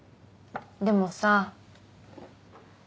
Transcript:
でもさ。